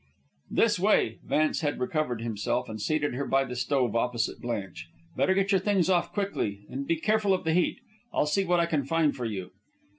"This way." Vance had recovered himself, and seated her by the stove opposite Blanche. "Better get your things off quickly, and be careful of the heat. I'll see what I can find for you."